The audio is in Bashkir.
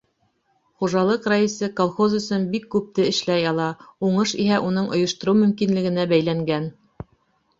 Хужалыҡ рәйесе колхоз өсөн бик күпте эшләй ала, уңыш иһә уның ойоштороу мөмкинлегенә бәйләнгән.